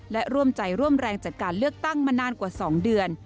และร่วมใจร่วมแรงจัดการเลือกตั้งมานานกว่า๒เดือน